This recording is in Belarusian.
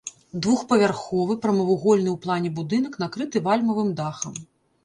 Двухпавярховы, прамавугольны ў плане будынак, накрыты вальмавым дахам.